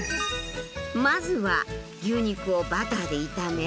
まずは牛肉をバターで炒め。